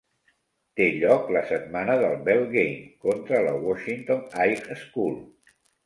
Té lloc la setmana del "Bell Game" contra la Washington High School.